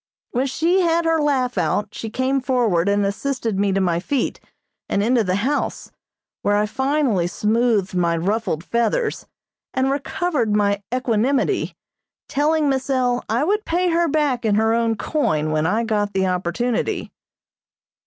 When she had her laugh out, she came forward and assisted me to my feet, and into the house, where I finally smoothed my ruffled feathers, and recovered my equanimity, telling Miss L. I would pay her back in her own coin when I got the opportunity.